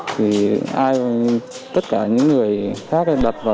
thì ai cũng như tất cả những người khác đặt vào trong đó